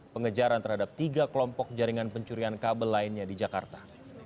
pengejaran terhadap tiga kelompok jaringan pencurian kabel lainnya di jakarta